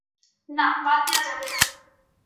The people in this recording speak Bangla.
না, বাদ দেয়া যাবে না।